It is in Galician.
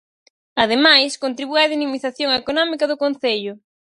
Ademais, contribúe á dinamización económica do concello.